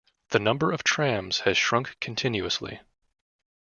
The number of trams has shrunk continuously.